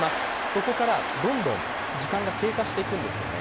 そこからどんどん時間が経過していくんですよね。